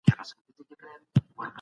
ښه ذهنیت روغتیا نه خرابوي.